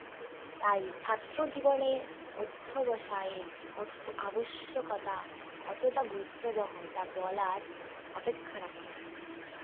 তাই ছাত্র জীবনে অধ্যবসায়ের আবশ্যকতা কতটা গুরুত্ববহ তা বলার অপেক্ষা রাখে না।